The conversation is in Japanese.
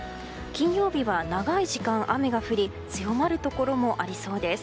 金曜日は長い時間、雨が降り強まるところもありそうです。